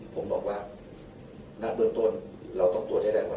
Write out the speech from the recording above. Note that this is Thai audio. ผมบอกว่าณเบื้องต้นเราต้องตรวจให้ได้ก่อน